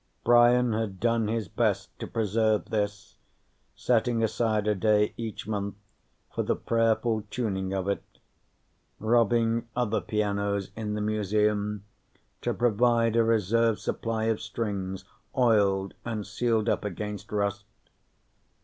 Brian had done his best to preserve this, setting aside a day each month for the prayerful tuning of it, robbing other pianos in the Museum to provide a reserve supply of strings, oiled and sealed up against rust.